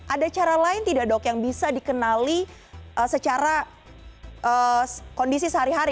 ada cara lain tidak dok yang bisa dikenali secara kondisi sehari hari